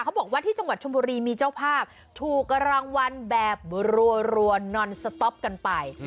เขาบอกว่าที่จังหวัดชมบุรีมีเจ้าภาพถูกรางวัลแบบรัวนอนสต๊อปกันไป